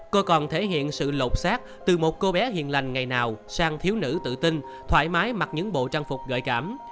cô còn thể hiện sự lột xác từ một cô bé hiền lành ngày nào sang thiếu nữ tự tin thoải mái mặc những bộ trang phục gợi cảm